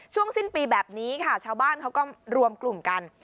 ช่วงสิ้นปีแบบนี้ค่ะชาวบ้านเขาก็รวมกลุ่มกัน